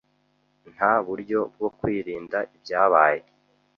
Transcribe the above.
Nta buryo bwo kwirinda ibyabaye.